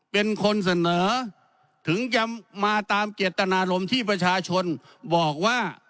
เป็นคนเสนอถึงจะมาตามเจตนารมณ์ที่ประชาชนบอกว่า